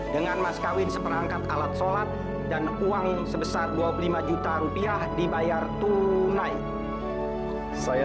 dengan mas kawin seperangkat alat sholat dan uang sebesar dua puluh lima juta rupiah dibayar tunai saya